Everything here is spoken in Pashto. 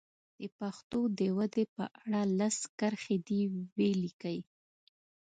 د پښتو د ودې په اړه لس کرښې دې ولیکي.